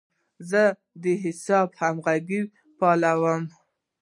زه د حساب همغږي فعالوم.